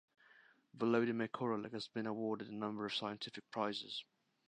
Volodymyr Korolyuk has been awarded a number of scientific prizes.